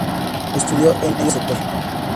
Estudió en "St.